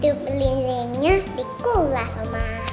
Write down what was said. dia pelilinnya di kelas oma